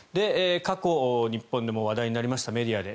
過去、日本でも話題になりましたメディアで。